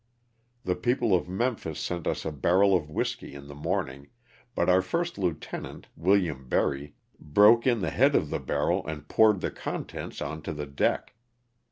The people of Memphis sent us a barrel of whiskey in the morning, but our First Lieutenant, Wm. Berry, broke in the head of the barrel and poured the contents on to the deck.